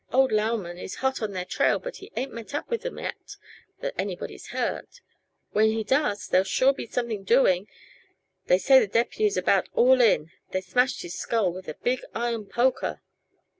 Old Lauman is hot on their trail, but he ain't met up with 'em yet, that anybody's heard. When he does, there'll sure be something doing! They say the deputy's about all in; they smashed his skull with a big iron poker."